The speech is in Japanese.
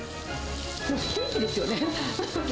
もうステーキですよね。